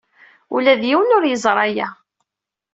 Ula d yiwen ur yeẓri aya.